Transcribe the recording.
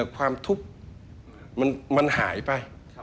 ความทุกข์มันหายไป